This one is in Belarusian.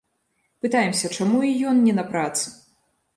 Пытаемся, чаму і ён не на працы?